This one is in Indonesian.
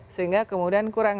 sehingga kemudian kurang